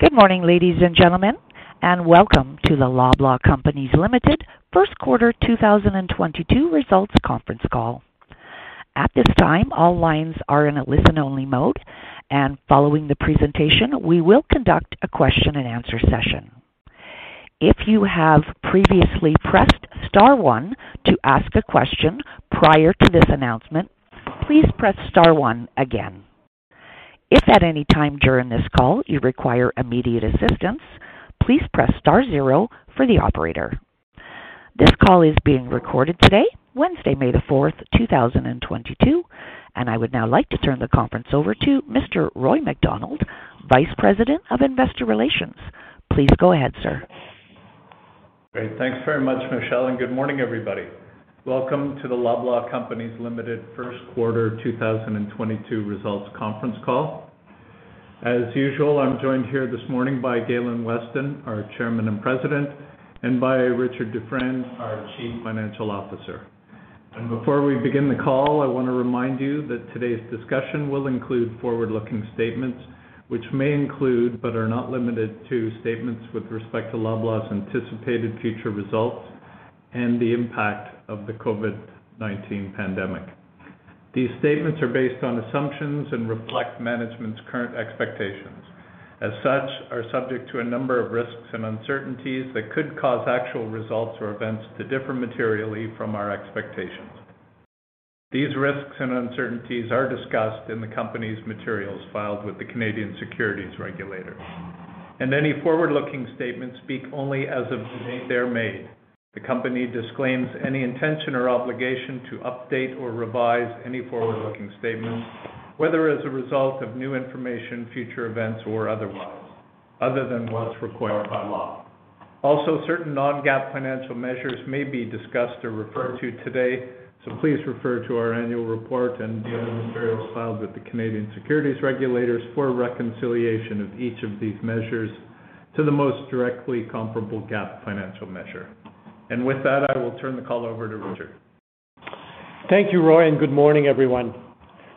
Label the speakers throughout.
Speaker 1: Good morning, ladies and gentlemen, and welcome to the Loblaw Companies Limited first quarter 2022 results conference call. At this time, all lines are in a listen-only mode, and following the presentation, we will conduct a question-and-answer session. If you have previously pressed star one to ask a question prior to this announcement, please press star one again. If at any time during this call you require immediate assistance, please press star zero for the operator. This call is being recorded today, Wednesday, May 4th, 2022, and I would now like to turn the conference over to Mr. Roy MacDonald, Vice President of Investor Relations. Please go ahead, sir.
Speaker 2: Great. Thanks very much, Michelle, and good morning, everybody. Welcome to the Loblaw Companies Limited first quarter 2022 results conference call. As usual, I'm joined here this morning by Galen Weston, our Chairman and President, and by Richard Dufresne, our Chief Financial Officer. Before we begin the call, I wanna remind you that today's discussion will include forward-looking statements, which may include, but are not limited to, statements with respect to Loblaw's anticipated future results and the impact of the COVID-19 pandemic. These statements are based on assumptions and reflect management's current expectations. As such, are subject to a number of risks and uncertainties that could cause actual results or events to differ materially from our expectations. These risks and uncertainties are discussed in the company's materials filed with the Canadian Securities Administrators. Any forward-looking statements speak only as of the date they're made. The company disclaims any intention or obligation to update or revise any forward-looking statements, whether as a result of new information, future events, or otherwise, other than what's required by law. Also, certain non-GAAP financial measures may be discussed or referred to today. Please refer to our annual report and the other materials filed with the Canadian Securities Administrators for reconciliation of each of these measures to the most directly comparable GAAP financial measure. With that, I will turn the call over to Richard.
Speaker 3: Thank you, Roy, and good morning, everyone.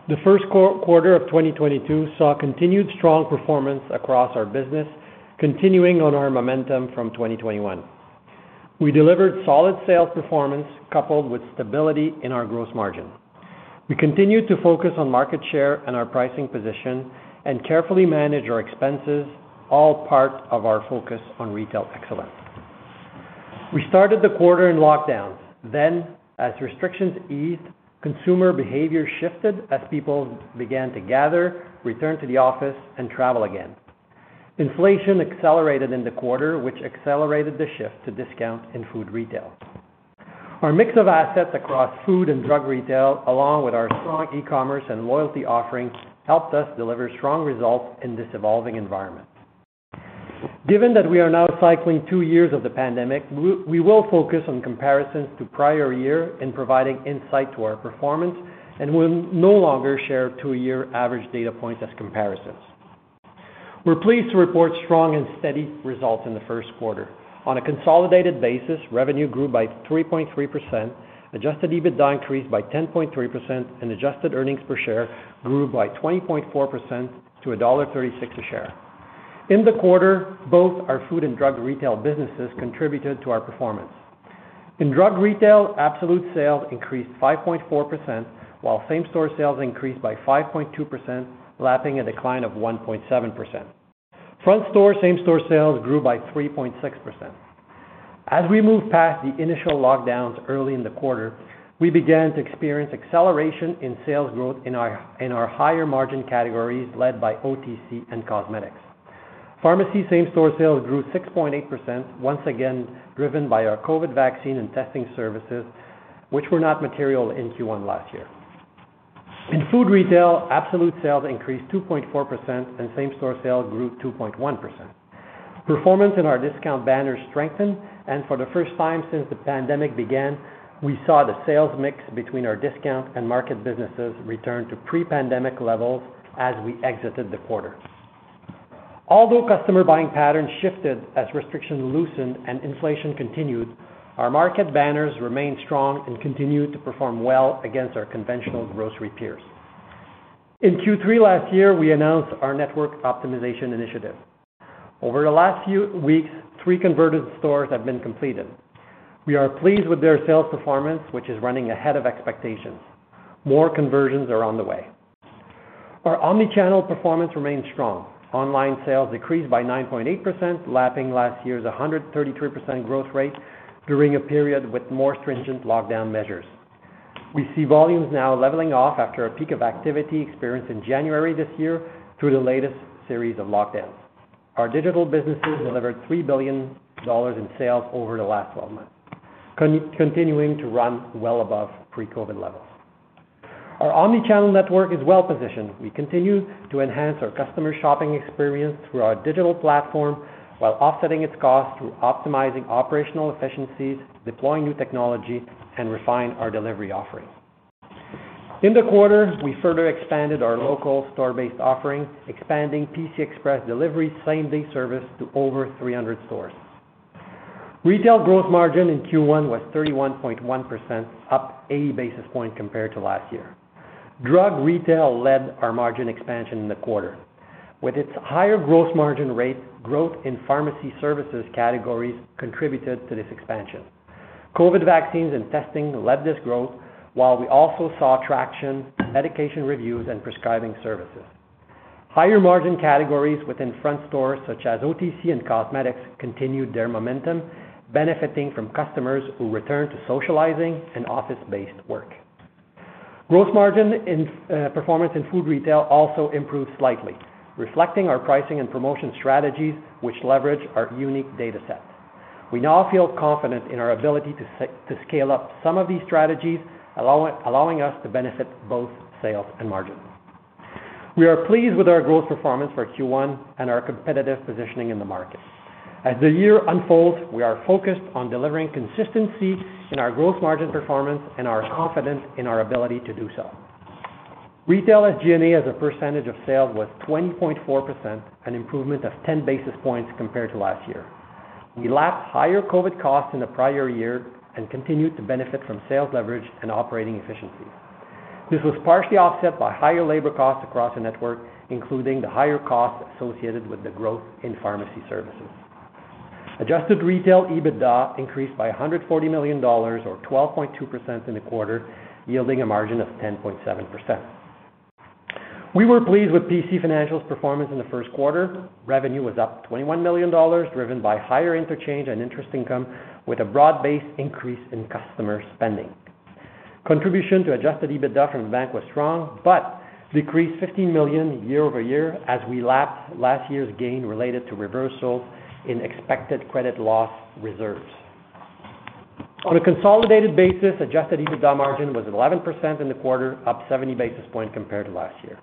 Speaker 3: The first quarter of 2022 saw continued strong performance across our business, continuing on our momentum from 2021. We delivered solid sales performance coupled with stability in our gross margin. We continued to focus on market share and our pricing position and carefully manage our expenses, all part of our focus on retail excellence. We started the quarter in lockdowns. As restrictions eased, consumer behavior shifted as people began to gather, return to the office, and travel again. Inflation accelerated in the quarter, which accelerated the shift to discount in food retail. Our mix of assets across food and drug retail, along with our strong e-commerce and loyalty offerings, helped us deliver strong results in this evolving environment. Given that we are now cycling two years of the pandemic, we will focus on comparisons to prior year in providing insight to our performance and will no longer share two-year average data points as comparisons. We're pleased to report strong and steady results in the first quarter. On a consolidated basis, revenue grew by 3.3%, adjusted EBITDA increased by 10.3%, and adjusted earnings per share grew by 20.4% to dollar 1.36 a share. In the quarter, both our food and drug retail businesses contributed to our performance. In drug retail, absolute sales increased 5.4%, while same-store sales increased by 5.2%, lapping a decline of 1.7%. Front store same-store sales grew by 3.6%. As we moved past the initial lockdowns early in the quarter, we began to experience acceleration in sales growth in our higher-margin categories, led by OTC and cosmetics. Pharmacy same-store sales grew 6.8%, once again driven by our COVID vaccine and testing services, which were not material in Q1 last year. In food retail, absolute sales increased 2.4% and same-store sales grew 2.1%. Performance in our discount banners strengthened, and for the first time since the pandemic began, we saw the sales mix between our discount and market businesses return to pre-pandemic levels as we exited the quarter. Although customer buying patterns shifted as restrictions loosened and inflation continued, our market banners remained strong and continued to perform well against our conventional grocery peers. In Q3 last year, we announced our network optimization initiative. Over the last few weeks, three converted stores have been completed. We are pleased with their sales performance, which is running ahead of expectations. More conversions are on the way. Our omnichannel performance remained strong. Online sales decreased by 9.8%, lapping last year's 133% growth rate during a period with more stringent lockdown measures. We see volumes now leveling off after a peak of activity experienced in January this year through the latest series of lockdowns. Our digital businesses delivered 3 billion dollars in sales over the last 12 months, continuing to run well above pre-COVID levels. Our omnichannel network is well-positioned. We continue to enhance our customer shopping experience through our digital platform while offsetting its cost through optimizing operational efficiencies, deploying new technology, and refine our delivery offerings. In the quarter, we further expanded our local store-based offering, expanding PC Express delivery same-day service to over 300 stores. Retail gross margin in Q1 was 31.1%, up 80 basis points compared to last year. Drug retail led our margin expansion in the quarter. With its higher growth margin rate, growth in pharmacy services categories contributed to this expansion. COVID vaccines and testing led this growth, while we also saw traction, medication reviews, and prescribing services. Higher margin categories within front stores such as OTC and cosmetics continued their momentum, benefiting from customers who return to socializing and office-based work. Gross margin performance in food retail also improved slightly, reflecting our pricing and promotion strategies, which leverage our unique data set. We now feel confident in our ability to scale up some of these strategies, allowing us to benefit both sales and margin. We are pleased with our growth performance for Q1 and our competitive positioning in the market. As the year unfolds, we are focused on delivering consistency in our growth margin performance and are confident in our ability to do so. Retail SG&A as a percentage of sales was 20.4%, an improvement of 10 basis points compared to last year. We lapped higher COVID costs in the prior year and continued to benefit from sales leverage and operating efficiency. This was partially offset by higher labor costs across the network, including the higher costs associated with the growth in pharmacy services. Adjusted retail EBITDA increased by 140 million dollars or 12.2% in the quarter, yielding a margin of 10.7%. We were pleased with PC Financial's performance in the first quarter. Revenue was up 21 million dollars, driven by higher interchange and interest income, with a broad-based increase in customer spending. Contribution to adjusted EBITDA from the bank was strong, but decreased 15 million year-over-year as we lapped last year's gain related to reversal in expected credit loss reserves. On a consolidated basis, adjusted EBITDA margin was 11% in the quarter, up 70 basis points compared to last year.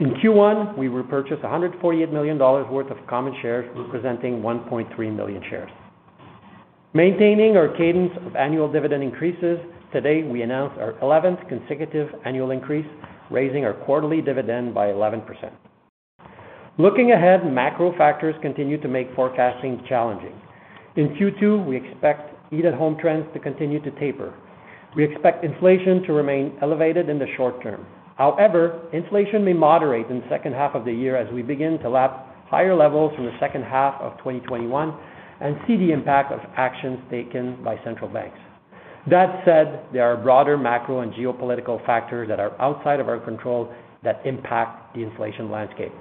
Speaker 3: In Q1, we repurchased 148 million dollars worth of common shares, representing 1.3 million shares. Maintaining our cadence of annual dividend increases, today we announce our eleventh consecutive annual increase, raising our quarterly dividend by 11%. Looking ahead, macro factors continue to make forecasting challenging. In Q2, we expect eat-at-home trends to continue to taper. We expect inflation to remain elevated in the short term. However, inflation may moderate in the second half of the year as we begin to lap higher levels from the second half of 2021 and see the impact of actions taken by central banks. That said, there are broader macro and geopolitical factors that are outside of our control that impact the inflation landscape.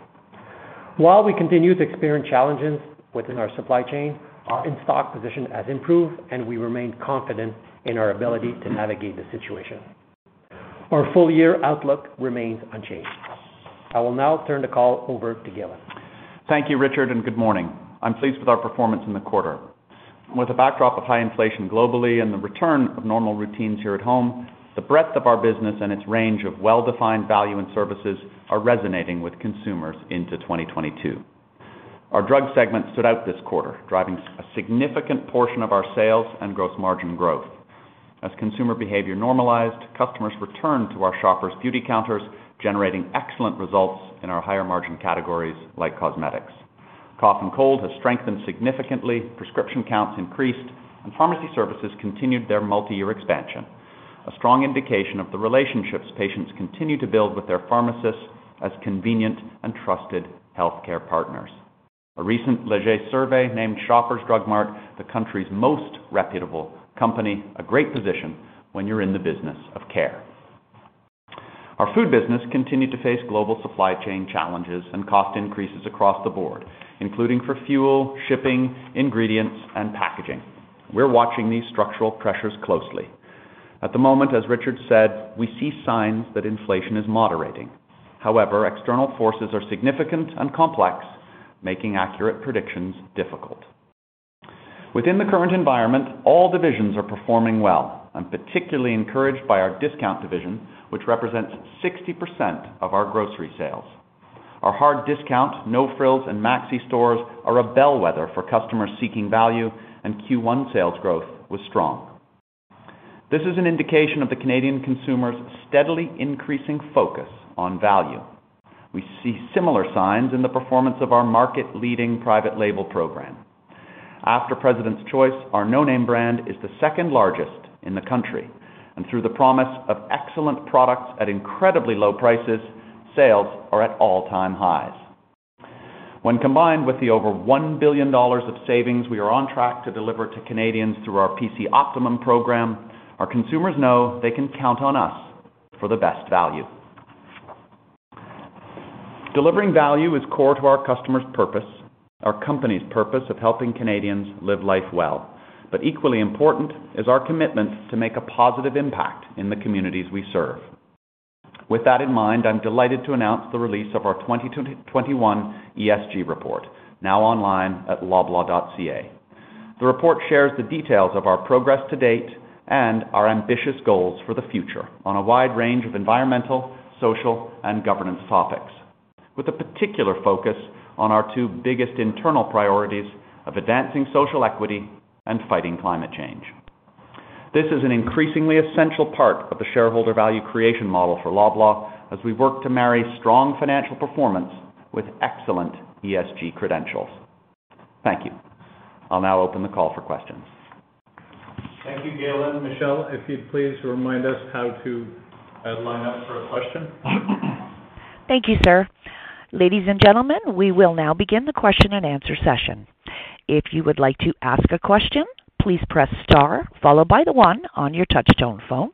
Speaker 3: While we continue to experience challenges within our supply chain, our in-stock position has improved, and we remain confident in our ability to navigate the situation. Our full-year outlook remains unchanged. I will now turn the call over to Galen.
Speaker 4: Thank you, Richard, and good morning. I'm pleased with our performance in the quarter. With a backdrop of high inflation globally and the return of normal routines here at home, the breadth of our business and its range of well-defined value and services are resonating with consumers into 2022. Our drug segment stood out this quarter, driving a significant portion of our sales and gross margin growth. As consumer behavior normalized, customers returned to our Shoppers beauty counters, generating excellent results in our higher-margin categories like cosmetics. Cough and cold has strengthened significantly, prescription counts increased, and pharmacy services continued their multi-year expansion, a strong indication of the relationships patients continue to build with their pharmacists as convenient and trusted healthcare partners. A recent Leger survey named Shoppers Drug Mart the country's most reputable company, a great position when you're in the business of care. Our food business continued to face global supply chain challenges and cost increases across the board, including for fuel, shipping, ingredients, and packaging. We're watching these structural pressures closely. At the moment, as Richard said, we see signs that inflation is moderating. However, external forces are significant and complex, making accurate predictions difficult. Within the current environment, all divisions are performing well. I'm particularly encouraged by our discount division, which represents 60% of our grocery sales. Our hard discount, No Frills, and Maxi stores are a bellwether for customers seeking value, and Q1 sales growth was strong. This is an indication of the Canadian consumers' steadily increasing focus on value. We see similar signs in the performance of our market-leading private label program. After President's Choice, our No Name brand is the second largest in the country, and through the promise of excellent products at incredibly low prices, sales are at all-time highs. When combined with the over 1 billion dollars of savings we are on track to deliver to Canadians through our PC Optimum program, our consumers know they can count on us for the best value. Delivering value is core to our customers' purpose, our company's purpose of helping Canadians live life well. Equally important is our commitment to make a positive impact in the communities we serve. With that in mind, I'm delighted to announce the release of our 2021 ESG report, now online at loblaw.ca. The report shares the details of our progress to date and our ambitious goals for the future on a wide range of environmental, social, and governance topics, with a particular focus on our two biggest internal priorities of advancing social equity and fighting climate change. This is an increasingly essential part of the shareholder value creation model for Loblaw as we work to marry strong financial performance with excellent ESG credentials. Thank you. I'll now open the call for questions.
Speaker 2: Thank you, Galen. Michelle, if you'd please remind us how to line up for a question.
Speaker 1: Thank you, sir. Ladies and gentlemen, we will now begin the question and answer session. If you would like to ask a question, please press star followed by the one on your touchtone phone.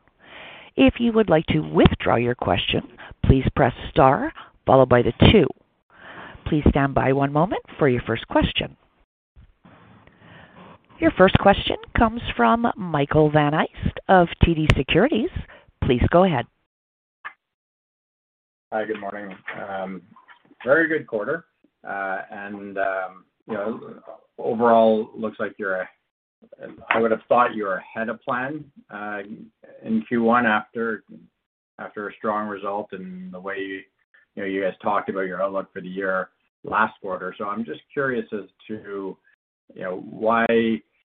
Speaker 1: If you would like to withdraw your question, please press star followed by the two. Please stand by one moment for your first question. Your first question comes from Michael Van Aelst of TD Securities. Please go ahead.
Speaker 5: Hi, good morning. Very good quarter. You know, overall looks like I would have thought you were ahead of plan in Q1 after a strong result in the way you know you guys talked about your outlook for the year last quarter. I'm just curious as to, you know, why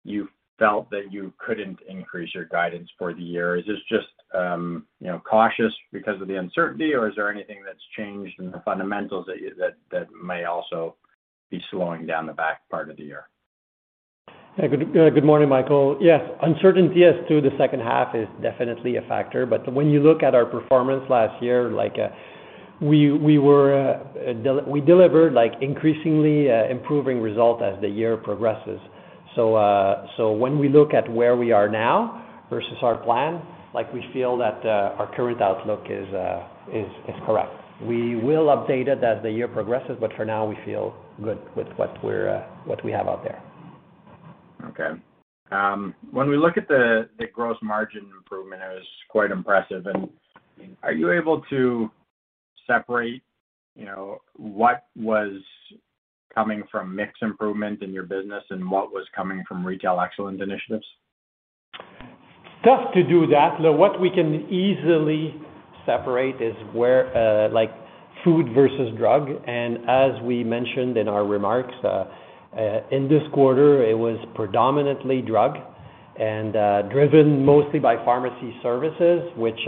Speaker 5: you felt that you couldn't increase your guidance for the year. Is this just, you know, cautious because of the uncertainty, or is there anything that's changed in the fundamentals that may also be slowing down the back part of the year?
Speaker 3: Good, good morning, Michael. Yes, uncertainty as to the second half is definitely a factor. When you look at our performance last year, like, we delivered, like, increasingly improving result as the year progresses. When we look at where we are now versus our plan, like, we feel that our current outlook is correct. We will update it as the year progresses, but for now we feel good with what we have out there.
Speaker 5: Okay. When we look at the gross margin improvement, it was quite impressive. Are you able to separate, you know, what was coming from mix improvement in your business and what was coming from retail excellence initiatives?
Speaker 3: It's tough to do that. What we can easily separate is where, like, food versus drug. As we mentioned in our remarks, in this quarter, it was predominantly drug and driven mostly by pharmacy services, which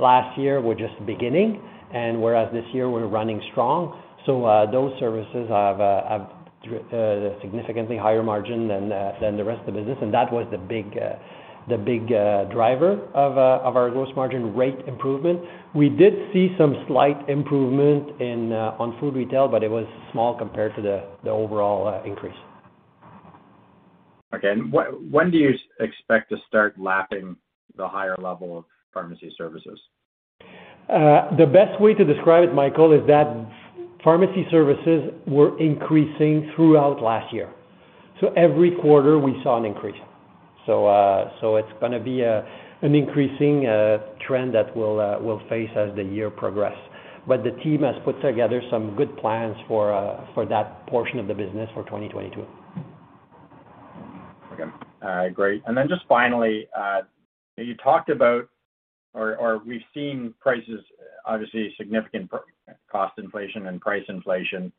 Speaker 3: last year were just beginning and whereas this year we're running strong. Those services have significantly higher margin than the rest of the business, and that was the big driver of our gross margin rate improvement. We did see some slight improvement in on food retail, but it was small compared to the overall increase.
Speaker 5: Okay. When do you expect to start lapping the higher level of pharmacy services?
Speaker 3: The best way to describe it, Michael, is that pharmacy services were increasing throughout last year. Every quarter we saw an increase. It's gonna be an increasing trend that we'll face as the year progress. The team has put together some good plans for that portion of the business for 2022.
Speaker 5: Okay. All right, great. Just finally, you talked about, or we've seen prices, obviously significant price-cost inflation and price inflation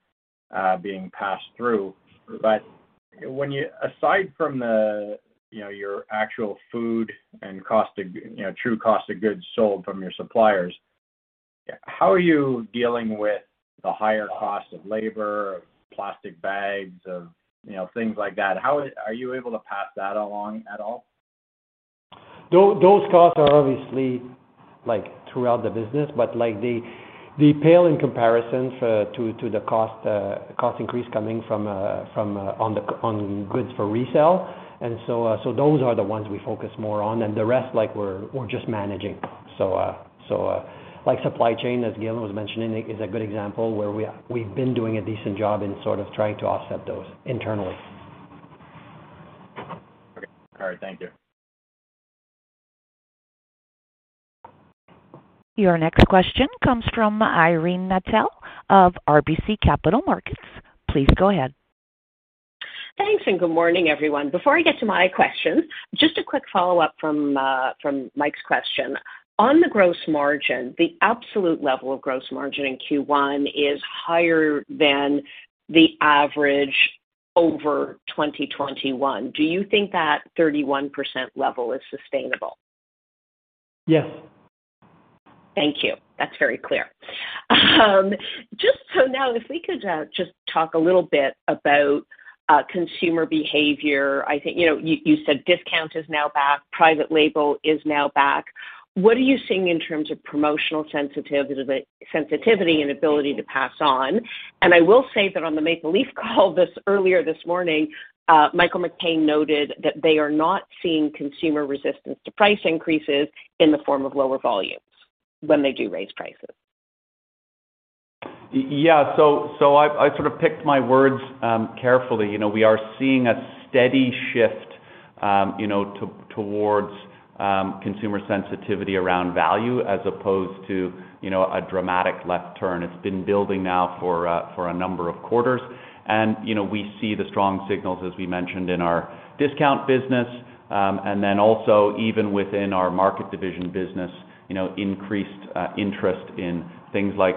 Speaker 5: being passed through. When you aside from the, you know, your actual food and cost of, you know, true cost of goods sold from your suppliers, how are you dealing with the higher cost of labor, of plastic bags, of, you know, things like that? How are you able to pass that along at all?
Speaker 3: Those costs are obviously like throughout the business, but like they pale in comparison to the cost increase coming from on the goods for resale. Those are the ones we focus more on, and the rest, like, we're just managing. Like supply chain, as Galen was mentioning, is a good example where we've been doing a decent job in sort of trying to offset those internally.
Speaker 5: Okay. All right. Thank you.
Speaker 1: Your next question comes from Irene Nattel of RBC Capital Markets. Please go ahead.
Speaker 6: Thanks, and good morning, everyone. Before I get to my question, just a quick follow-up from Mike's question. On the gross margin, the absolute level of gross margin in Q1 is higher than the average over 2021. Do you think that 31% level is sustainable?
Speaker 3: Yes.
Speaker 6: Thank you. That's very clear. Just so now if we could, just talk a little bit about consumer behavior. I think, you know, you said discount is now back, private label is now back. What are you seeing in terms of promotional sensitivity and ability to pass on? I will say that on the Maple Leaf call earlier this morning, Michael McCain noted that they are not seeing consumer resistance to price increases in the form of lower volumes when they do raise prices.
Speaker 4: Yeah. I sort of picked my words carefully. You know, we are seeing a steady shift, you know, towards consumer sensitivity around value as opposed to, you know, a dramatic left turn. It's been building now for a number of quarters. You know, we see the strong signals, as we mentioned, in our discount business, and then also even within our market division business, you know, increased interest in things like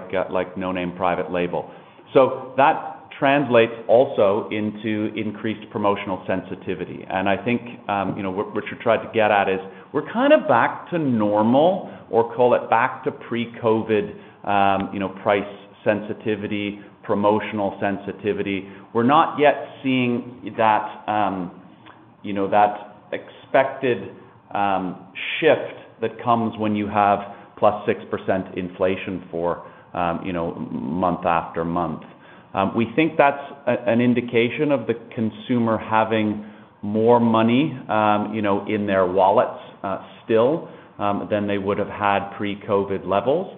Speaker 4: No Name private label. So that translates also into increased promotional sensitivity. I think, you know, what you're trying to get at is we're kind of back to normal, or call it back to pre-COVID, you know, price sensitivity, promotional sensitivity. We're not yet seeing that, you know, that expected shift that comes when you have plus 6% inflation for, you know, month after month. We think that's an indication of the consumer having more money, you know, in their wallets, still, than they would have had pre-COVID levels.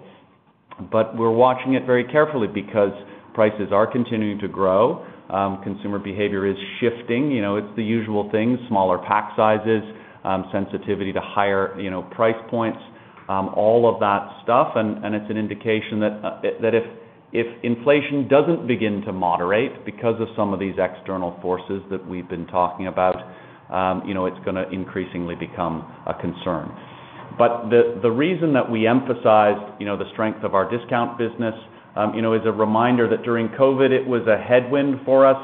Speaker 4: We're watching it very carefully because prices are continuing to grow. Consumer behavior is shifting. You know, it's the usual things, smaller pack sizes, sensitivity to higher, you know, price points, all of that stuff. It's an indication that if inflation doesn't begin to moderate because of some of these external forces that we've been talking about, you know, it's gonna increasingly become a concern. The reason that we emphasize, you know, the strength of our discount business, you know, is a reminder that during COVID, it was a headwind for us.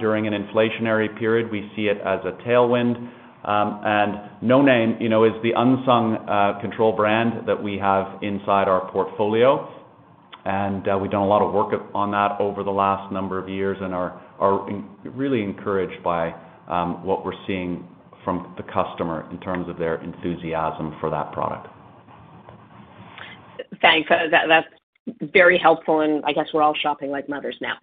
Speaker 4: During an inflationary period, we see it as a tailwind. No Name, you know, is the unsung control brand that we have inside our portfolio. We've done a lot of work on that over the last number of years and are really encouraged by what we're seeing from the customer in terms of their enthusiasm for that product.
Speaker 6: Thanks. That's very helpful, and I guess we're all shopping like mothers now.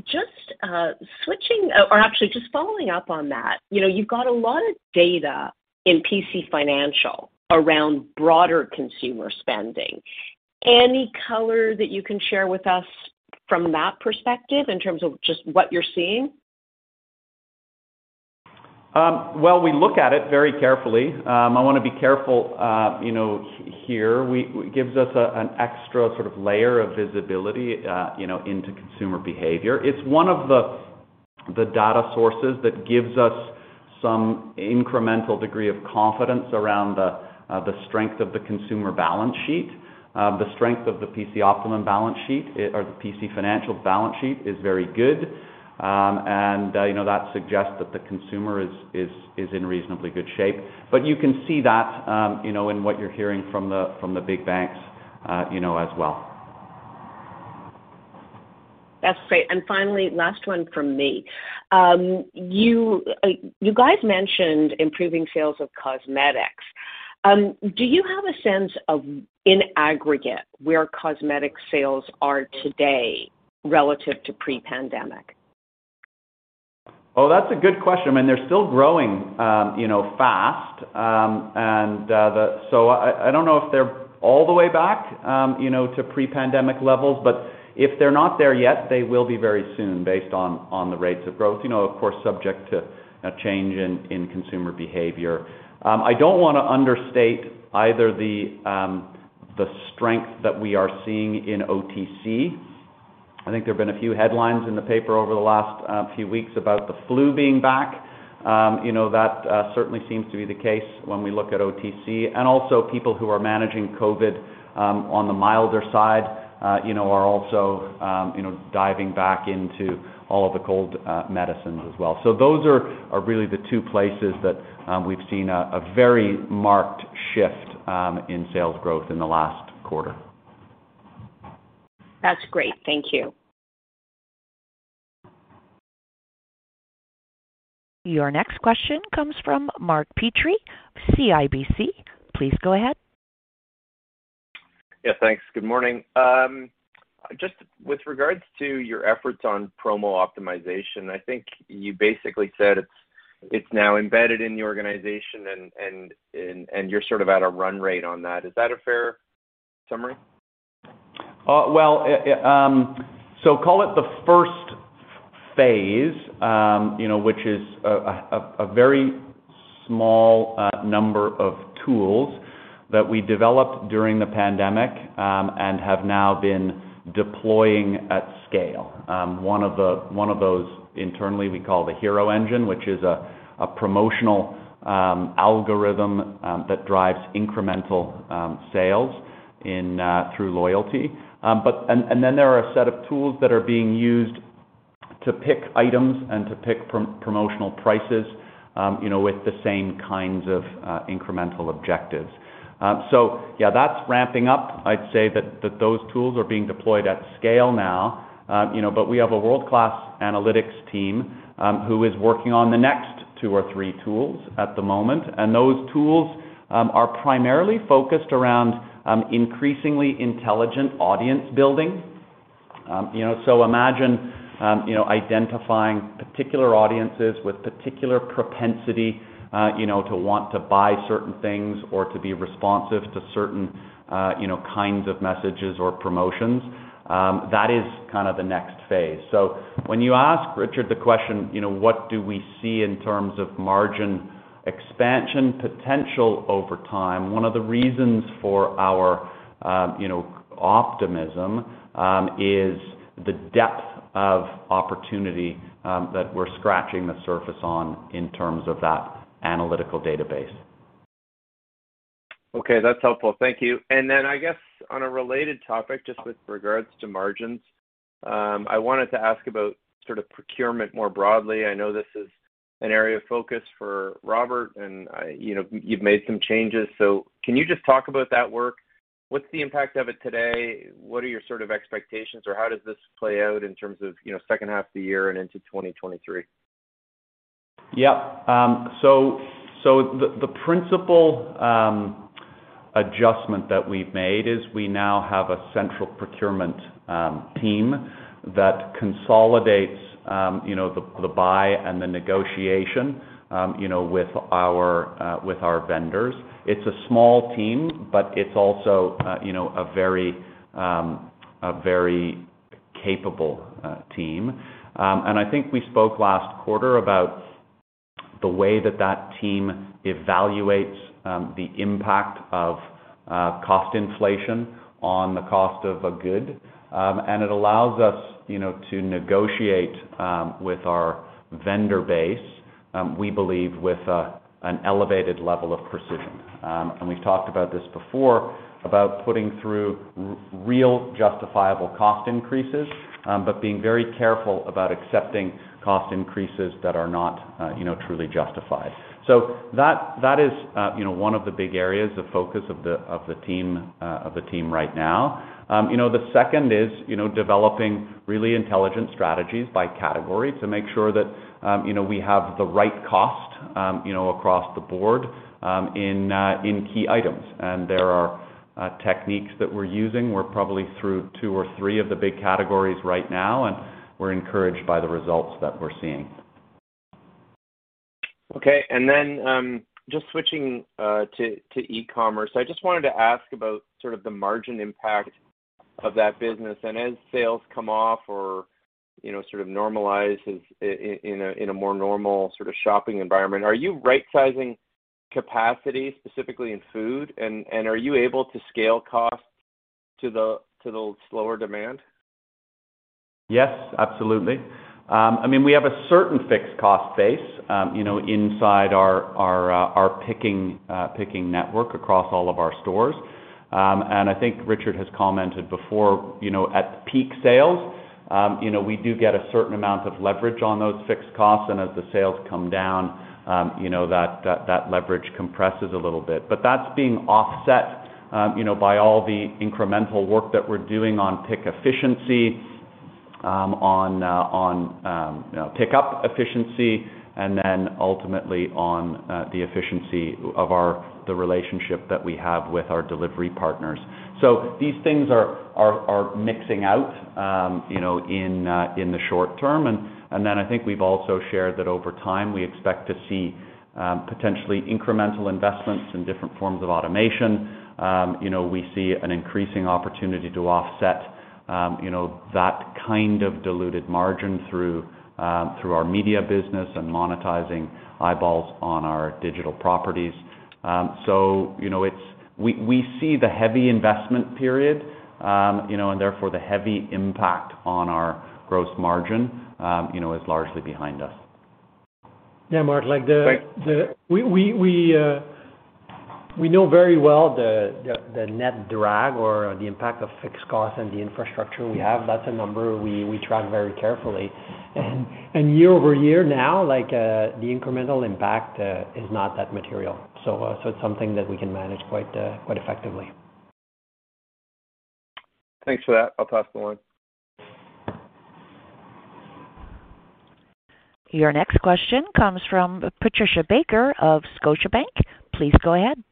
Speaker 6: Just switching or actually just following up on that. You know, you've got a lot of data in PC Financial around broader consumer spending. Any color that you can share with us from that perspective, in terms of just what you're seeing?
Speaker 4: Well, we look at it very carefully. I wanna be careful, you know, here. It gives us an extra sort of layer of visibility, you know, into consumer behavior. It's one of the data sources that gives us some incremental degree of confidence around the strength of the consumer balance sheet. The strength of the PC Optimum balance sheet or the PC Financial balance sheet is very good. You know, that suggests that the consumer is in reasonably good shape. You can see that, you know, in what you're hearing from the big banks, you know, as well.
Speaker 6: That's great. Finally, last one from me. You guys mentioned improving sales of cosmetics. Do you have a sense of in aggregate, where cosmetic sales are today relative to pre-pandemic?
Speaker 4: Oh, that's a good question. I mean, they're still growing, you know, fast. I don't know if they're all the way back, you know, to pre-pandemic levels, but if they're not there yet, they will be very soon based on the rates of growth, you know, of course, subject to a change in consumer behavior. I don't wanna understate either the strength that we are seeing in OTC. I think there have been a few headlines in the paper over the last few weeks about the flu being back. Certainly seems to be the case when we look at OTC. Also, people who are managing COVID on the milder side, you know, are also, you know, diving back into all of the cold medicines as well. Those are really the two places that we've seen a very marked shift in sales growth in the last quarter.
Speaker 6: That's great. Thank you.
Speaker 1: Your next question comes from Mark Petrie, CIBC. Please go ahead.
Speaker 7: Yeah, thanks. Good morning. Just with regards to your efforts on promo optimization, I think you basically said it's now embedded in the organization, and you're sort of at a run rate on that. Is that a fair summary?
Speaker 4: Well, call it the first phase, you know, which is a very small number of tools that we developed during the pandemic and have now been deploying at scale. One of those internally we call the Hero Engine, which is a promotional algorithm that drives incremental sales through loyalty. Then there are a set of tools that are being used to pick items and to pick promotional prices, you know, with the same kinds of incremental objectives. Yeah, that's ramping up. I'd say that those tools are being deployed at scale now. You know, we have a world-class analytics team who is working on the next two or three tools at the moment, and those tools are primarily focused around increasingly intelligent audience building. You know, imagine identifying particular audiences with particular propensity, you know, to want to buy certain things or to be responsive to certain, you know, kinds of messages or promotions. That is kind of the next phase. When you ask Richard, the question, you know, what do we see in terms of margin expansion potential over time? One of the reasons for our, you know, optimism is the depth of opportunity that we're scratching the surface on in terms of that analytical database.
Speaker 7: Okay, that's helpful. Thank you. I guess on a related topic, just with regards to margins, I wanted to ask about sort of procurement more broadly. I know this is an area of focus for Robert, and, you know, you've made some changes. Can you just talk about that work? What's the impact of it today? What are your sort of expectations, or how does this play out in terms of, you know, second half of the year and into 2023?
Speaker 4: Yeah. So the principal adjustment that we've made is we now have a central procurement team that consolidates you know, the buy and the negotiation you know with our vendors. It's a small team, but it's also you know a very capable team. I think we spoke last quarter about the way that team evaluates the impact of cost inflation on the cost of goods. It allows us, you know, to negotiate with our vendor base, we believe, with an elevated level of precision. We've talked about this before about putting through real justifiable cost increases but being very careful about accepting cost increases that are not you know truly justified. That is, you know, one of the big areas of focus of the team right now. You know, the second is, you know, developing really intelligent strategies by category to make sure that, you know, we have the right cost, you know, across the board, in key items. There are techniques that we're using. We're probably through two or three of the big categories right now, and we're encouraged by the results that we're seeing.
Speaker 7: Okay. Just switching to e-commerce. I just wanted to ask about sort of the margin impact of that business. As sales come off or, you know, sort of normalize as in a more normal sort of shopping environment, are you right-sizing capacity, specifically in food? Are you able to scale costs to the slower demand?
Speaker 4: Yes, absolutely. I mean, we have a certain fixed cost base, you know, inside our picking network across all of our stores. I think Richard has commented before, you know, at peak sales, you know, we do get a certain amount of leverage on those fixed costs. As the sales come down, you know, that leverage compresses a little bit. But that's being offset, you know, by all the incremental work that we're doing on pick efficiency, on pick up efficiency and then ultimately on the efficiency of our, the relationship that we have with our delivery partners. These things are mixing out, you know, in the short term. I think we've also shared that over time we expect to see potentially incremental investments in different forms of automation. You know, we see an increasing opportunity to offset you know, that kind of diluted margin through our media business and monetizing eyeballs on our digital properties. You know, we see the heavy investment period you know, and therefore the heavy impact on our gross margin you know, is largely behind us.
Speaker 3: Yeah, Mark, like the-
Speaker 4: Right.
Speaker 3: We know very well the net drag or the impact of fixed costs and the infrastructure we have. That's a number we track very carefully. Year-over-year now, like, the incremental impact is not that material. It's something that we can manage quite effectively.
Speaker 7: Thanks for that. I'll pass the line.
Speaker 1: Your next question comes from Patricia Baker of Scotiabank. Please go ahead.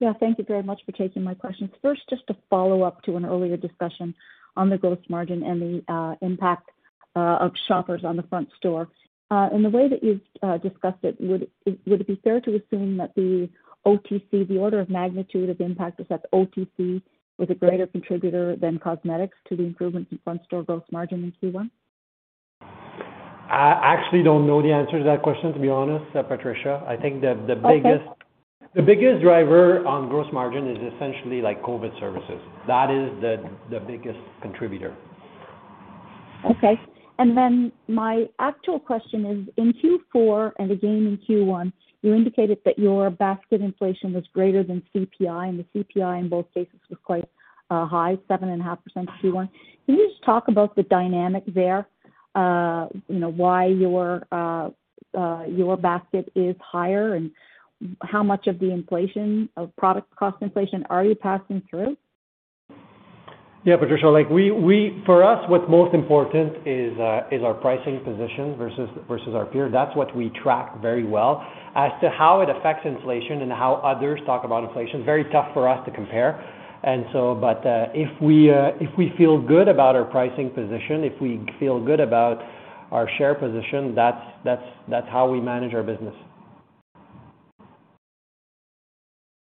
Speaker 8: Yeah, thank you very much for taking my questions. First, just to follow up to an earlier discussion on the gross margin and the impact of Shoppers on the front store. The way that you've discussed it, would it be fair to assume that the OTC, the order of magnitude of impact, is that OTC was a greater contributor than cosmetics to the improvement in front store gross margin in Q1?
Speaker 3: I actually don't know the answer to that question, to be honest, Patricia. I think the biggest.
Speaker 8: Okay.
Speaker 3: The biggest driver on gross margin is essentially like COVID services. That is the biggest contributor.
Speaker 8: Okay. My actual question is, in Q4 and again in Q1, you indicated that your basket inflation was greater than CPI, and the CPI in both cases was quite high, 7.5% in Q1. Can you just talk about the dynamic there? You know, why your basket is higher and how much of the product cost inflation are you passing through?
Speaker 3: Yeah, Patricia. Like for us, what's most important is our pricing position versus our peer. That's what we track very well. As to how it affects inflation and how others talk about inflation, very tough for us to compare. If we feel good about our pricing position, if we feel good about our share position, that's how we manage our business.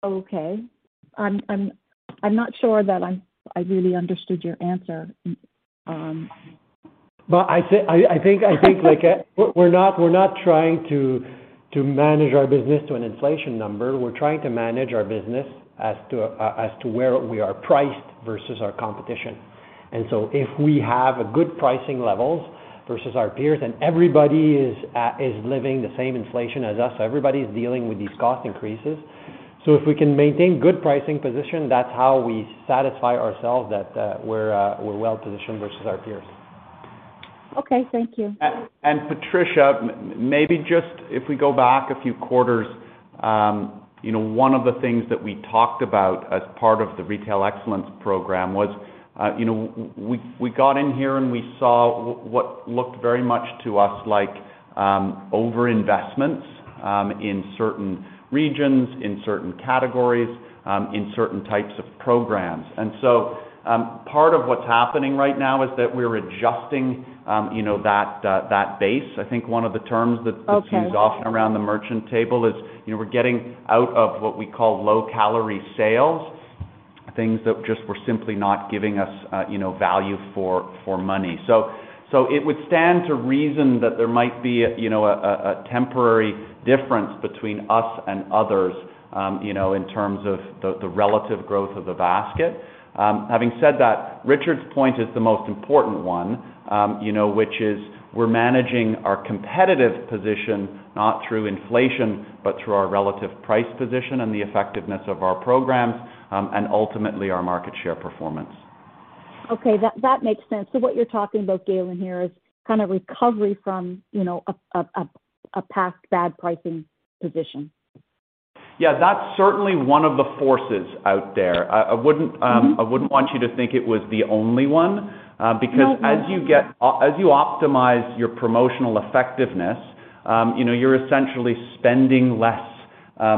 Speaker 8: Okay. I'm not sure that I really understood your answer.
Speaker 3: I think like we're not trying to manage our business to an inflation number. We are trying to manage our business as to where we are priced versus our competition. If we have good pricing levels versus our peers and everybody is living the same inflation as us, everybody is dealing with these cost increases. If we can maintain good pricing position, that's how we satisfy ourselves that we're well-positioned versus our peers.
Speaker 8: Okay, thank you.
Speaker 4: Patricia, maybe just if we go back a few quarters, you know, one of the things that we talked about as part of the retail excellence program was, you know, we got in here, and we saw what looked very much to us like over-investments in certain regions, in certain categories, in certain types of programs. Part of what's happening right now is that we're adjusting, you know, that base. I think one of the terms that
Speaker 8: Okay.
Speaker 4: This is used often around the merchant table, you know, we're getting out of what we call low-calorie sales, things that just were simply not giving us, you know, value for money. It would stand to reason that there might be, you know, a temporary difference between us and others, you know, in terms of the relative growth of the basket. Having said that, Richard's point is the most important one, you know, which is we're managing our competitive position not through inflation, but through our relative price position and the effectiveness of our programs, and ultimately our market share performance.
Speaker 8: Okay, that makes sense. What you're talking about, Galen, here is kind of recovery from, you know, a past bad pricing position.
Speaker 4: Yeah, that's certainly one of the forces out there. I wouldn't want you to think it was the only one.
Speaker 8: No, no.
Speaker 4: Because as you optimize your promotional effectiveness, you know, you're essentially spending less,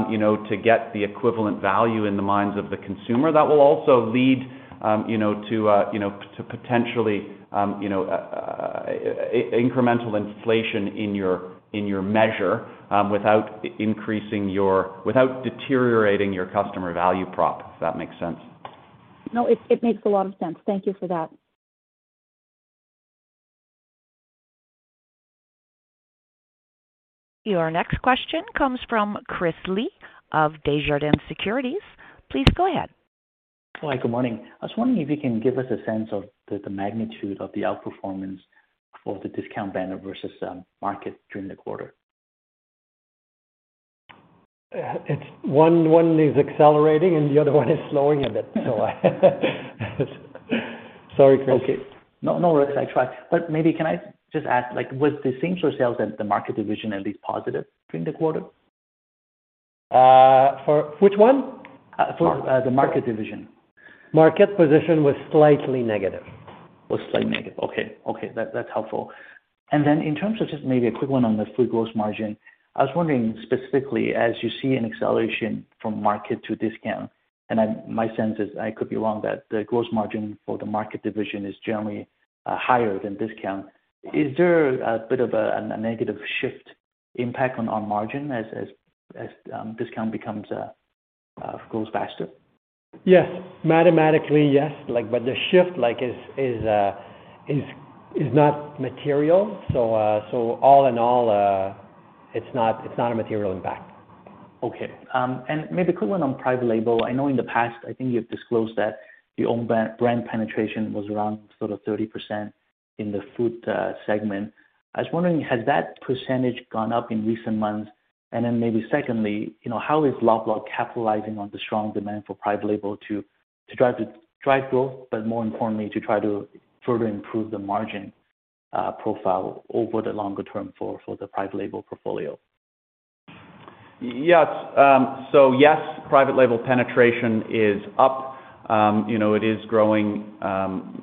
Speaker 4: you know, to get the equivalent value in the minds of the consumer. That will also lead, you know, to potentially, you know, incremental inflation in your measure, without deteriorating your customer value prop, if that makes sense.
Speaker 8: No, it makes a lot of sense. Thank you for that.
Speaker 1: Your next question comes from Chris Li of Desjardins Securities. Please go ahead.
Speaker 9: Hi, good morning. I was wondering if you can give us a sense of the magnitude of the outperformance of the discount banner versus market during the quarter.
Speaker 3: It's one is accelerating, and the other one is slowing a bit. Sorry, Chris.
Speaker 9: Okay. No, no worries. I try. Maybe can I just ask, like, with the same-store sales and the market division at least positive during the quarter?
Speaker 3: For which one?
Speaker 9: Uh, for, uh-The market division.
Speaker 3: Market position was slightly negative.
Speaker 9: Was slightly negative. Okay. Okay, that's helpful. Then in terms of just maybe a quick one on the food gross margin, I was wondering specifically as you see an acceleration from market to discount, and I'm, my sense is, I could be wrong, that the gross margin for the market division is generally higher than discount. Is there a bit of a negative shift impact on margin as discount becomes grows faster?
Speaker 3: Yes. Mathematically, yes. Like, but the shift, like, is not material. So, all in all, it's not a material impact.
Speaker 9: Okay. Maybe a quick one on private label. I know in the past, I think you've disclosed that the own brand penetration was around sort of 30% in the food segment. I was wondering, has that percentage gone up in recent months? Maybe secondly, you know, how is Loblaw capitalizing on the strong demand for private label to drive growth, but more importantly, to try to further improve the margin profile over the longer term for the private label portfolio?
Speaker 4: Yes. Yes, private label penetration is up. You know, it is growing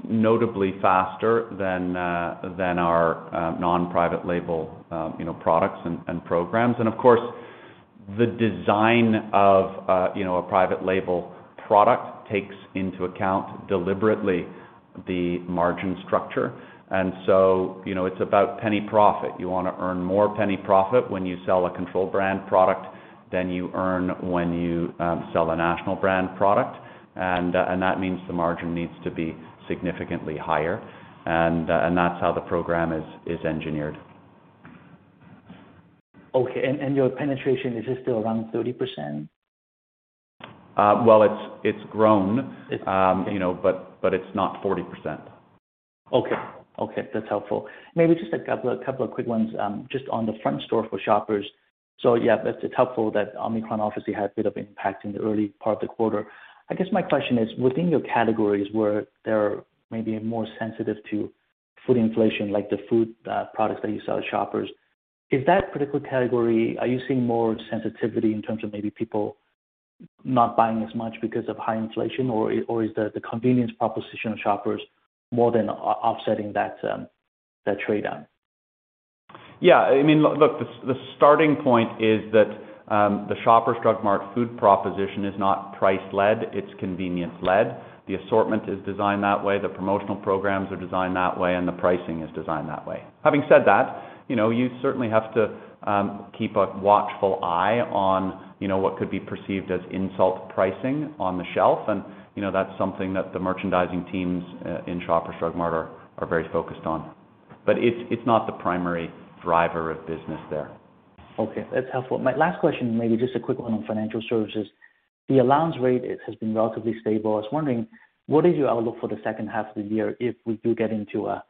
Speaker 4: notably faster than our non-private label, you know, products and programs. Of course, the design of you know, a private label product takes into account deliberately the margin structure. You know, it's about penny profit. You wanna earn more penny profit when you sell a control brand product than you earn when you sell a national brand product. That means the margin needs to be significantly higher. That's how the program is engineered.
Speaker 9: Okay. Your penetration, is it still around 30%?
Speaker 4: Well, it's grown. You know, it's not 40%.
Speaker 9: Okay. That's helpful. Maybe just a couple of quick ones just on the front store for Shoppers. Yeah, it's helpful that Omicron obviously had a bit of impact in the early part of the quarter. I guess my question is, within your categories where there may be more sensitive to food inflation, like the food products that you sell at Shoppers, is that particular category, are you seeing more sensitivity in terms of maybe people not buying as much because of high inflation, or is the convenience proposition of Shoppers more than offsetting that trade-down?
Speaker 4: Yeah, I mean, look, the starting point is that, the Shoppers Drug Mart food proposition is not price-led, it's convenience-led. The assortment is designed that way, the promotional programs are designed that way, and the pricing is designed that way. Having said that, you know, you certainly have to keep a watchful eye on, you know, what could be perceived as insult pricing on the shelf. You know, that's something that the merchandising teams in Shoppers Drug Mart are very focused on. But it's not the primary driver of business there.
Speaker 9: Okay, that's helpful. My last question, maybe just a quick one on financial services. The allowance rate, it has been relatively stable. I was wondering, what is your outlook for the second half of the year if we do get into a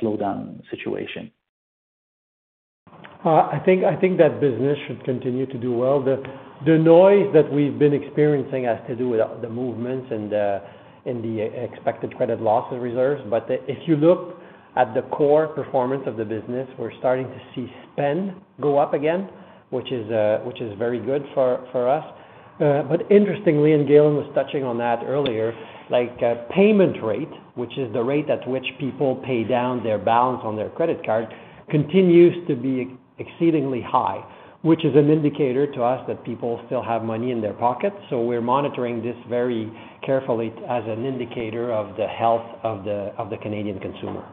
Speaker 9: slowdown situation?
Speaker 3: I think that business should continue to do well. The noise that we've been experiencing has to do with the movements and the expected credit losses reserves. If you look at the core performance of the business, we're starting to see spend go up again, which is very good for us. Interestingly, Galen Weston was touching on that earlier, like payment rate, which is the rate at which people pay down their balance on their credit card, continues to be exceedingly high, which is an indicator to us that people still have money in their pockets. We're monitoring this very carefully as an indicator of the health of the Canadian consumer.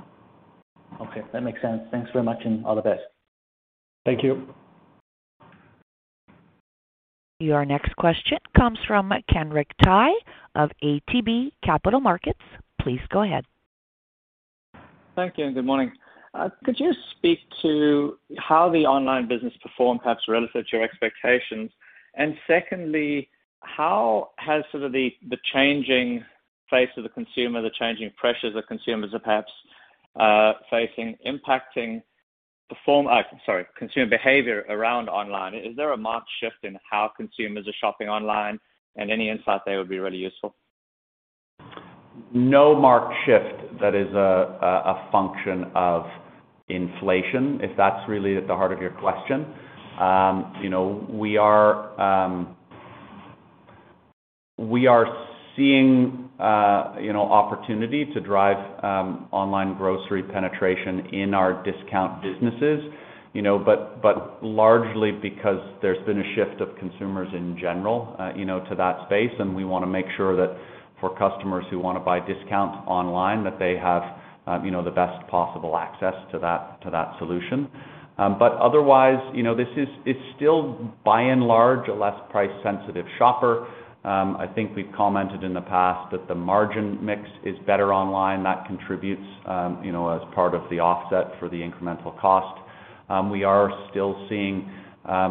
Speaker 9: Okay, that makes sense. Thanks very much, and all the best.
Speaker 3: Thank you.
Speaker 1: Your next question comes from Kenric Tyghe of ATB Capital Markets. Please go ahead.
Speaker 10: Thank you, and good morning. Could you speak to how the online business performed perhaps relative to your expectations? Secondly, how has sort of the changing face of the consumer, the changing pressures that consumers are perhaps facing, impacting consumer behavior around online. Is there a marked shift in how consumers are shopping online? Any insight there would be really useful.
Speaker 4: No marked shift that is a function of inflation, if that's really at the heart of your question. You know, we are seeing, you know, opportunity to drive online grocery penetration in our discount businesses, you know. Largely because there's been a shift of consumers in general, you know, to that space, and we wanna make sure that for customers who wanna buy discounts online, that they have you know, the best possible access to that solution. Otherwise, you know, this is, it's still by and large, a less price-sensitive shopper. I think we've commented in the past that the margin mix is better online. That contributes you know, as part of the offset for the incremental cost. We are still seeing,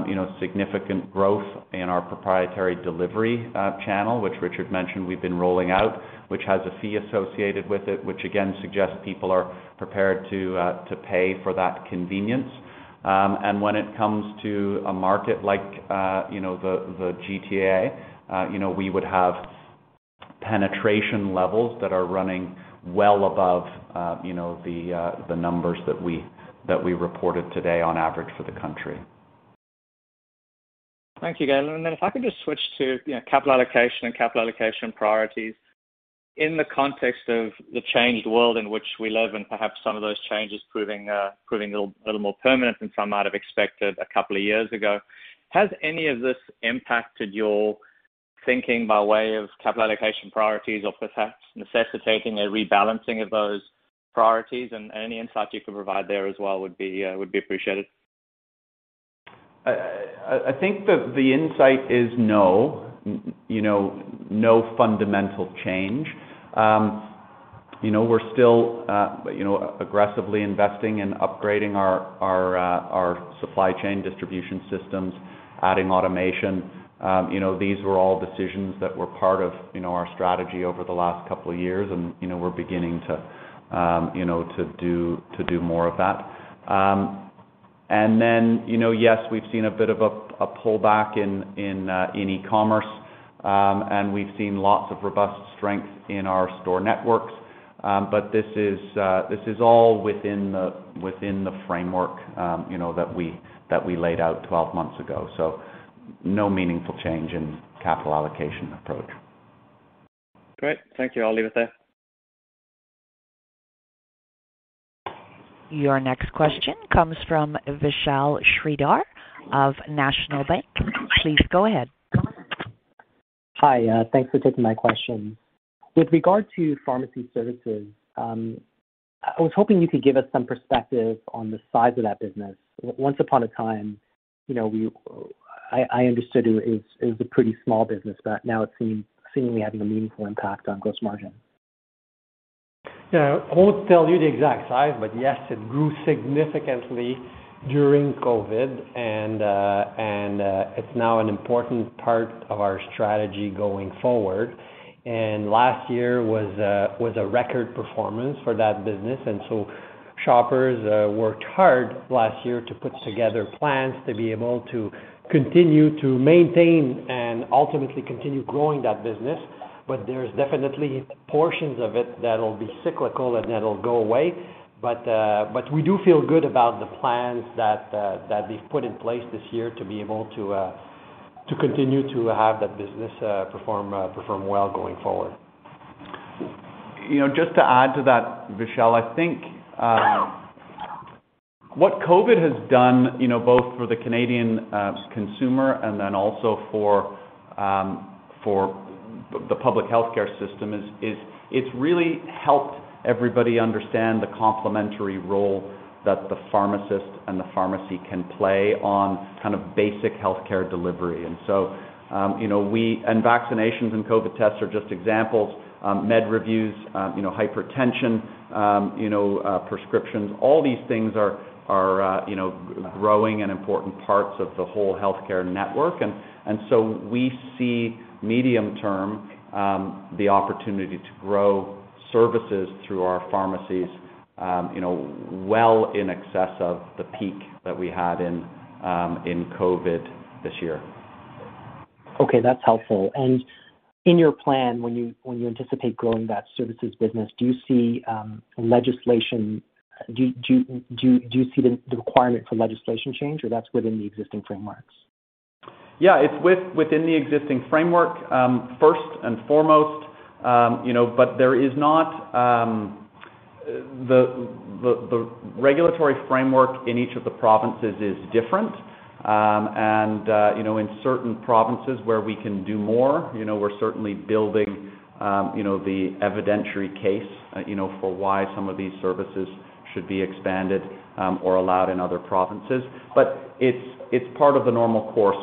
Speaker 4: you know, significant growth in our proprietary delivery channel, which Richard mentioned we've been rolling out, which has a fee associated with it, which again suggests people are prepared to pay for that convenience. When it comes to a market like, you know, the GTA, you know, we would have penetration levels that are running well above, you know, the numbers that we reported today on average for the country.
Speaker 10: Thank you, Galen. If I could just switch to, you know, capital allocation and capital allocation priorities. In the context of the changed world in which we live, and perhaps some of those changes proving a little more permanent than some might have expected a couple of years ago, has any of this impacted your thinking by way of capital allocation priorities or perhaps necessitating a rebalancing of those priorities? Any insight you could provide there as well would be appreciated.
Speaker 4: I think the insight is no. You know, no fundamental change. You know, we're still, you know, aggressively investing in upgrading our supply chain distribution systems, adding automation. You know, these were all decisions that were part of, you know, our strategy over the last couple of years and, you know, we're beginning to, you know, to do more of that. Then, you know, yes, we've seen a bit of a pullback in e-commerce, and we've seen lots of robust strength in our store networks. This is all within the framework, you know, that we laid out twelve months ago. No meaningful change in capital allocation approach.
Speaker 10: Great. Thank you. I'll leave it there.
Speaker 1: Your next question comes from Vishal Shreedhar of National Bank. Please go ahead.
Speaker 11: Hi. Thanks for taking my question. With regard to pharmacy services, I was hoping you could give us some perspective on the size of that business. Once upon a time, you know, I understood it was a pretty small business, but now it seems to be having a meaningful impact on gross margin.
Speaker 3: Yeah. I won't tell you the exact size, but yes, it grew significantly during COVID and it's now an important part of our strategy going forward. Last year was a record performance for that business, and so Shoppers worked hard last year to put together plans to be able to continue to maintain and ultimately continue growing that business. There's definitely portions of it that'll be cyclical and that'll go away. We do feel good about the plans that we've put in place this year to be able to continue to have that business perform well going forward.
Speaker 4: You know, just to add to that, Vishal, I think what COVID has done, you know, both for the Canadian consumer and then also for the public healthcare system is it's really helped everybody understand the complementary role that the pharmacist and the pharmacy can play in kind of basic healthcare delivery. Vaccinations and COVID tests are just examples. Med reviews, you know, hypertension, you know, prescriptions, all these things are growing and important parts of the whole healthcare network. We see medium-term the opportunity to grow services through our pharmacies, you know, well in excess of the peak that we had in COVID this year.
Speaker 11: Okay, that's helpful. In your plan, when you anticipate growing that services business, do you see the requirement for legislation change, or that's within the existing frameworks?
Speaker 4: Yeah, it's within the existing framework, first and foremost. You know, there is not. The regulatory framework in each of the provinces is different. You know, in certain provinces where we can do more, you know, we're certainly building, you know, the evidentiary case, you know, for why some of these services should be expanded or allowed in other provinces. It's part of the normal course.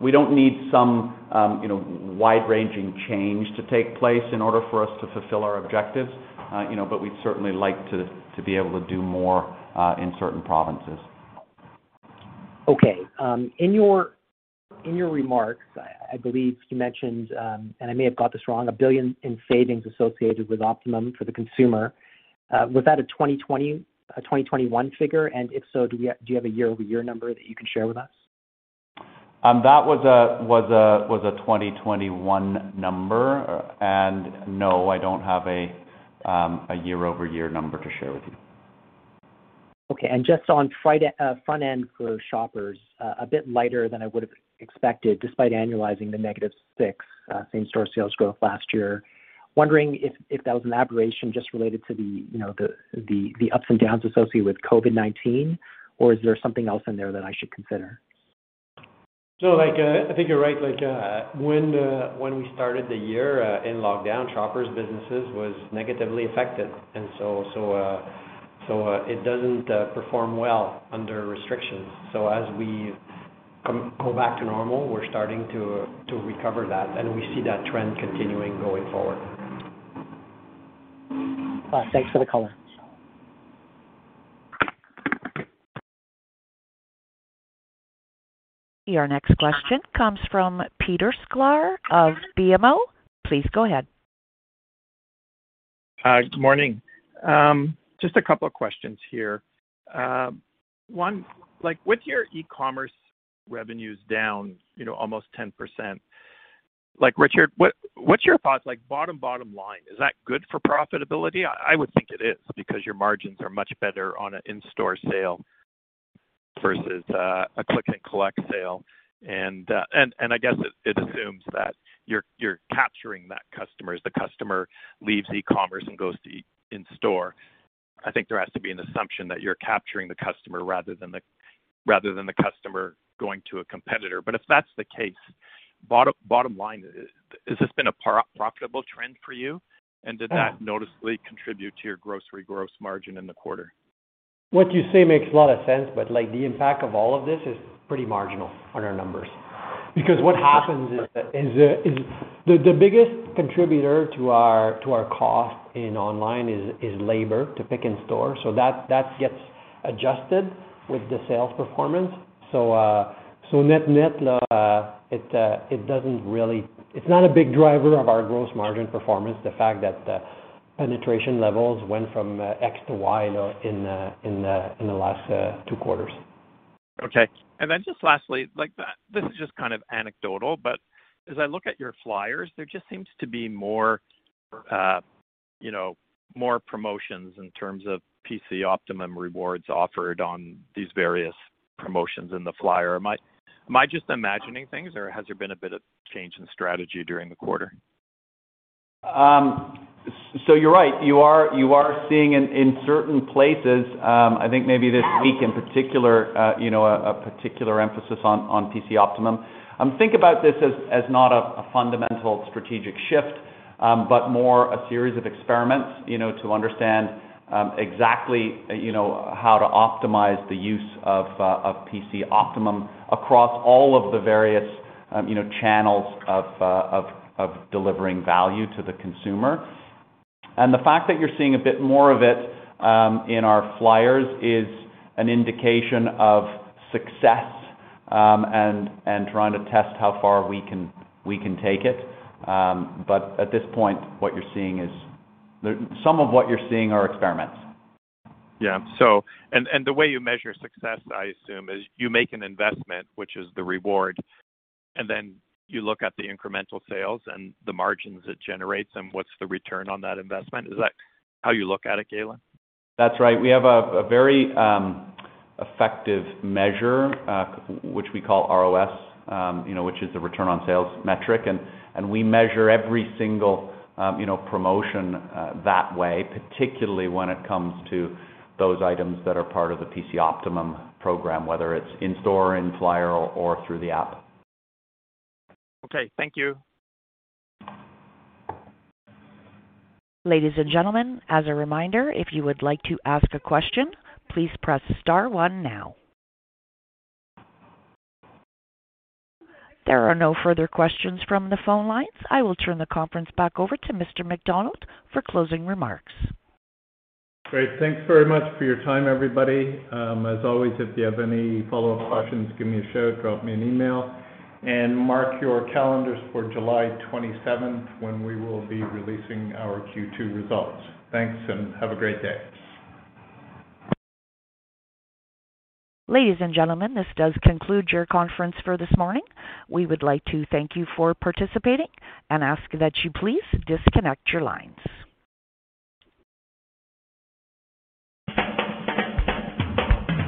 Speaker 4: We don't need some, you know, wide-ranging change to take place in order for us to fulfill our objectives, you know, but we'd certainly like to be able to do more in certain provinces.
Speaker 11: Okay. In your remarks, I believe you mentioned, and I may have got this wrong, 1 billion in savings associated with Optimum for the consumer. Was that a 2021 figure? And if so, do you have a year-over-year number that you can share with us?
Speaker 4: That was a 2021 number. No, I don't have a year-over-year number to share with you.
Speaker 11: Okay. Just on Friday, front end for Shoppers, a bit lighter than I would have expected, despite annualizing the negative 6% same-store sales growth last year. Wondering if that was an aberration just related to the, you know, ups and downs associated with COVID-19, or is there something else in there that I should consider?
Speaker 3: Like, I think you're right. Like, when we started the year in lockdown, Shoppers businesses was negatively affected. It doesn't perform well under restrictions. As we go back to normal, we're starting to recover that, and we see that trend continuing going forward.
Speaker 11: Thanks for the color.
Speaker 1: Your next question comes from Peter Sklar of BMO. Please go ahead.
Speaker 12: Hi. Good morning. Just a couple of questions here. One, like, with your e-commerce revenues down, you know, almost 10%, like, Richard, what's your thoughts? Like, bottom line, is that good for profitability? I would think it is because your margins are much better on an in-store sale versus a click-and-collect sale. And I guess it assumes that you're capturing that customer as the customer leaves e-commerce and goes to in-store. I think there has to be an assumption that you're capturing the customer rather than the customer going to a competitor. If that's the case, bottom line, has this been a profitable trend for you? Did that noticeably contribute to your grocery gross margin in the quarter?
Speaker 3: What you say makes a lot of sense, but like, the impact of all of this is pretty marginal on our numbers. Because what happens is the biggest contributor to our cost in online is labor to pick in store. So that gets adjusted with the sales performance. So net-net, it doesn't really. It's not a big driver of our gross margin performance, the fact that the penetration levels went from X to Y, you know, in the last two quarters.
Speaker 12: Okay. Just lastly, like, this is just kind of anecdotal, but as I look at your flyers, there just seems to be more, you know, more promotions in terms of PC Optimum rewards offered on these various promotions in the flyer. Am I just imagining things, or has there been a bit of change in strategy during the quarter?
Speaker 4: You're right. You are seeing in certain places, I think maybe this week in particular, you know, a particular emphasis on PC Optimum. Think about this as not a fundamental strategic shift, but more a series of experiments, you know, to understand exactly, you know, how to optimize the use of PC Optimum across all of the various, you know, channels of delivering value to the consumer. The fact that you're seeing a bit more of it in our flyers is an indication of success, and trying to test how far we can take it. At this point, what you're seeing is some of what you're seeing are experiments.
Speaker 12: Yeah. And the way you measure success, I assume, is you make an investment, which is the reward, and then you look at the incremental sales and the margins it generates and what's the return on that investment. Is that how you look at it, Galen?
Speaker 4: That's right. We have a very effective measure, which we call ROS, you know, which is the return on sales metric. We measure every single you know promotion that way, particularly when it comes to those items that are part of the PC Optimum program, whether it's in store, in flyer, or through the app.
Speaker 12: Okay. Thank you.
Speaker 1: Ladies and gentlemen, as a reminder, if you would like to ask a question, please press star one now. There are no further questions from the phone lines. I will turn the conference back over to Mr. McDonald for closing remarks.
Speaker 2: Great. Thanks very much for your time, everybody. As always, if you have any follow-up questions, give me a shout, drop me an email. Mark your calendars for July 27th when we will be releasing our Q2 results. Thanks, and have a great day.
Speaker 1: Ladies and gentlemen, this does conclude your conference for this morning. We would like to thank you for participating and ask that you please disconnect your lines.